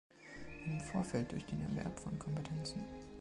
Im Vorfeld durch den Erwerb von Kompetenzen.